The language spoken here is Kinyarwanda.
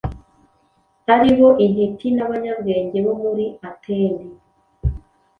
aribo intiti n’abanyabwenge bo muri Atene.